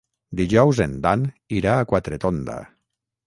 Dijous en Dan irà a Quatretonda.